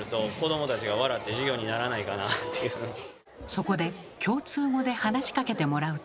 そこで共通語で話しかけてもらうと。